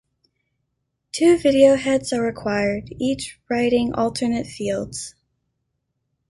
Two video heads are required, each writing alternate fields.